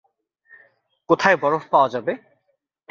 কোথায় বরফ পাওয়া যাবে।